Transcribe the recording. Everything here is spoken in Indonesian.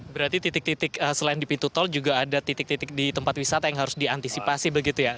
berarti titik titik selain di pintu tol juga ada titik titik di tempat wisata yang harus diantisipasi begitu ya